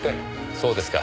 そうですか。